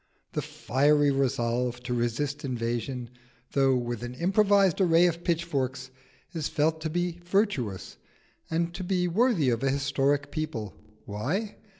The fiery resolve to resist invasion, though with an improvised array of pitchforks, is felt to be virtuous, and to be worthy of a historic people. Why?